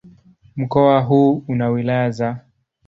Mkoa huu una wilaya za